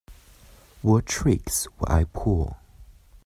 What tricks would I pull?